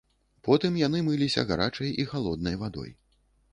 Потым яны мыліся гарачай і халоднай вадой.